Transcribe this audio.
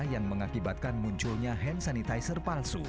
yang mengakibatkan munculnya hand sanitizer palsu